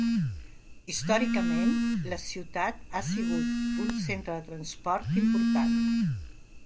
Històricament, la ciutat ha sigut un centre de transport important.